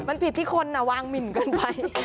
มันผิดที่คนอ่ะวางหมิ่นกันไป